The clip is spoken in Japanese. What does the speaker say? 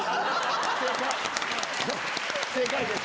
正解です。